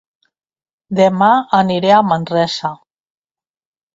Dema aniré a Manresa